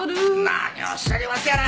何をおっしゃりますやら。